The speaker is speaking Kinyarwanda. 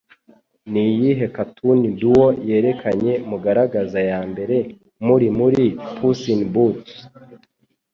Niyihe Cartoon Duo Yerekanye Mugaragaza Yambere Muri Muri "Puss In Boots"?